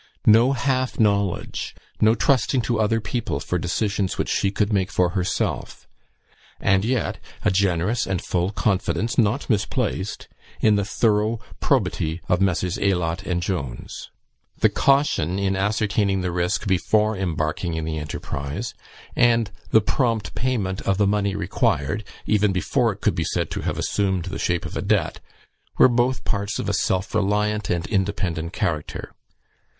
No half knowledge no trusting to other people for decisions which she could make for herself; and yet a generous and full confidence, not misplaced, in the thorough probity of Messrs. Aylott and Jones. The caution in ascertaining the risk before embarking in the enterprise, and the prompt payment of the money required, even before it could be said to have assumed the shape of a debt, were both parts of a self reliant and independent character.